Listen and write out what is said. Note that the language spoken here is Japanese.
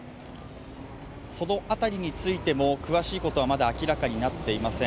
その辺りについても詳しいことはまだ明らかになっていません。